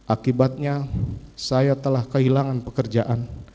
akibatnya saya telah kehilangan pekerjaan